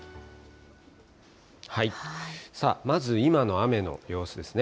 さあ、まず今の雨の様子ですね。